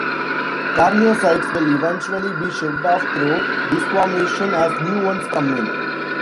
Corneocytes will eventually be shed off through desquamation as new ones come in.